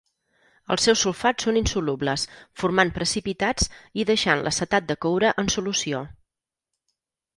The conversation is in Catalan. Els seus sulfats són insolubles, formant precipitats i deixant l'acetat de coure en solució.